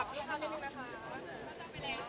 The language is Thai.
เคยอยากจะไม่รัก